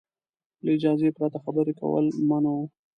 له اجازې پرته خبرې کول منع وو.